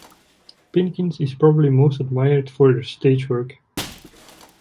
Pinkins is probably most admired for her stage work.